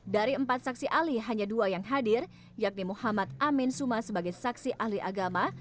dari empat saksi ahli hanya dua yang hadir yakni muhammad amin suma sebagai saksi ahli agama